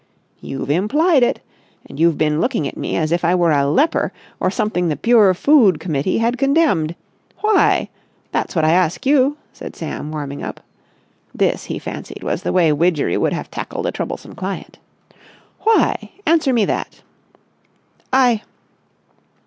"You've implied it. And you've been looking at me as if I were a leper or something the Pure Food Committee had condemned. Why? That's what I ask you," said Sam, warming up. This he fancied, was the way Widgery would have tackled a troublesome client. "Why? Answer me that!" "I...."